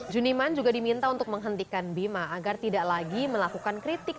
juniman juga diminta untuk menghentikan bima agar tidak lagi melakukan kritik